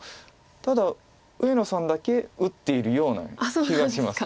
ただ上野さんだけ打っているような気がします。